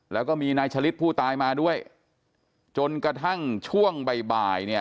แล้วก็มีนายชะลิดผู้ตายมาด้วยจนกระทั่งช่วงบ่ายบ่ายเนี่ย